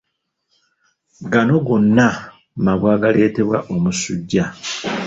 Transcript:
Gano gonna mabwa agaleetebwa omusujja.